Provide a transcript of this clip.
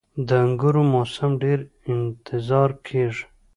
• د انګورو موسم ډیر انتظار کیږي.